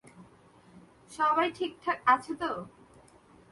সবাই ঠিকঠাক আছে তো?